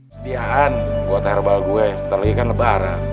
setiaan buat herbal gue sebentar lagi kan lebaran